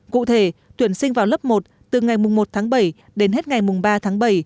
cụ thể tuyển sinh vào lớp một từ ngày một tháng bảy đến hết ngày mùng ba tháng bảy